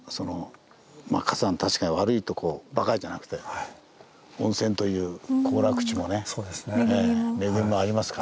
まあ火山確かに悪いとこばかりじゃなくて温泉という行楽地もね恵みもありますから。